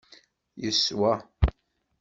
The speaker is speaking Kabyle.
Yeswa.